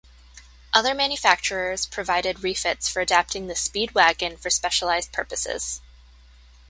Other manufacturers provided refits for adapting the Speed Wagon for specialized purposes.